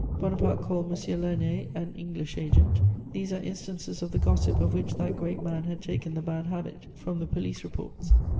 Bonaparte called M. Lainé "an English agent:" these are instances of the gossip of which that great man had taken the bad habit from the police reports.